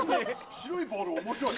白いボール、面白い。